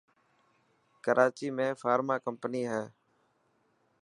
ڪراچي ۾ فارمان ڪمپني هي.